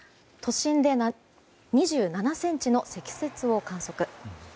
都心で２７ｃｍの積雪を観測。